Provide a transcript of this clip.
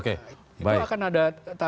itu akan ada